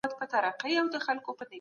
زه د خپل کور مخ ته لاړم.